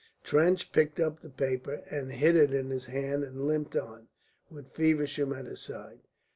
Trench picked up the paper, hid it in his hand and limped on, with Feversham at his side.